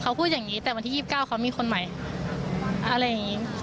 เขาพูดอย่างนี้แต่วันที่๒๙เขามีคนใหม่อะไรอย่างนี้